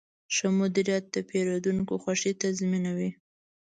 ښه مدیریت د پیرودونکو خوښي تضمینوي.